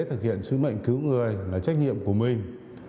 thực hiện sứ mệnh cứu người là trách nhiệm của mình